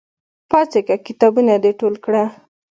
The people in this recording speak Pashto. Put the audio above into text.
پاڅېږه! کتابونه د ټول کړه!